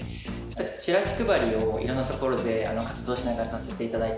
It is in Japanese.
チラシ配りをいろんなところで活動しながらさせていただいて。